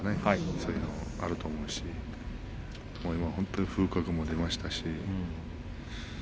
そういうのはあると思うし風格も出ましたし。